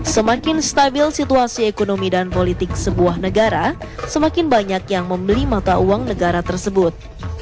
semakin stabil situasi ekonomi dan politik sebuah negara semakin banyak yang membeli mata uang negara tersebut